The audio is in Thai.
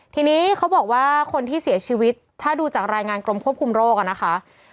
ทีนี้เขาบอกว่าคนที่เสียชีวิตถ้าดูจากรายงานกรมควบคุมโรคนะคะ